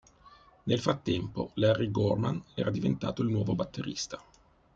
Nel frattempo Larry Gorman era diventato il nuovo batterista.